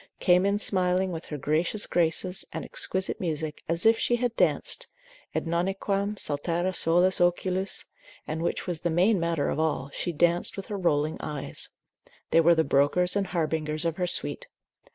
came in smiling with her gracious graces and exquisite music, as if she had danced, et nonnunquam saltare solis oculis, and which was the main matter of all, she danced with her rolling eyes: they were the brokers and harbingers of her suite.